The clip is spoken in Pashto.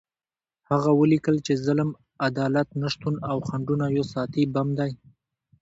هغه ولیکل چې ظلم، عدالت نشتون او خنډونه یو ساعتي بم دی.